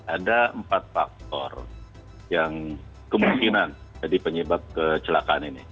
ada empat faktor yang kemungkinan jadi penyebab kecelakaan ini